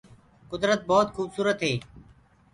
ڪُدرت ڀوت کوُبسوُرت هي۔